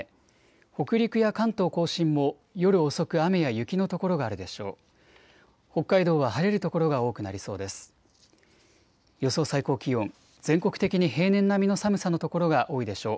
北陸や関東甲信も夜遅く雨や雪の所があるでしょう。